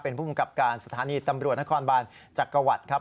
เป็นผู้กำกับการสถานีตำรวจนครบานจักรวรรดิครับ